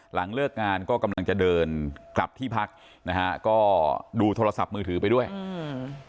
หลังเลิกงานก็กำลังจะเดินกลับที่พักนะฮะก็ดูโทรศัพท์มือถือไปด้วยอืม